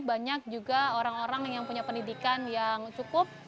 banyak juga orang orang yang punya pendidikan yang cukup